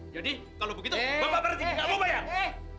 jadi kalau begitu bapak parti gak mau bayar